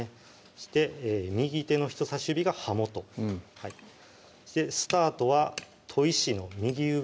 そして右手の人さし指が刃元スタートは砥石の右上